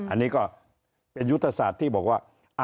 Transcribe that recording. อันนี้ก็เป็นยุทธศาสตร์ที่บอกว่า